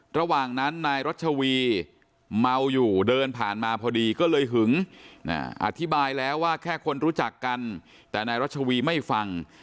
ระหว่างนั้นนายรัชวีเมาอยู่เดินผ่านมาพอดีก็เลยหึงอธิบายแล้วว่าแค่คนรู้จักกันแต่นายรัชวีไม่ฟัง